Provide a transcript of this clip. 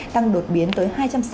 tăng đột biến tới hai trăm sáu mươi bốn